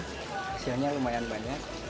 hasilnya lumayan banyak